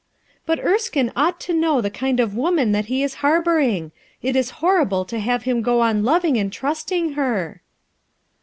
"But Erskine ought to know the kind of woman that lie is harboring. It is horrible to have him go on loving and trusting her!"